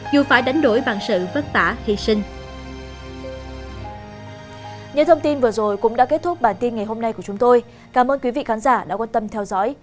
dù phải đánh đổi bằng sự vất vả hy sinh